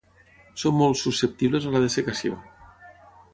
Són molt susceptibles a la dessecació.